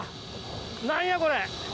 何やこれ。